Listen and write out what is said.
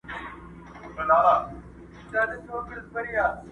زولانه د خپل ازل یمه معذور یم!!